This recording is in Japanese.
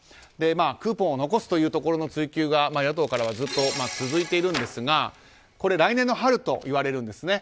クーポンを残すというところの追及が野党からは続いていますが来年の春といわれるんですね。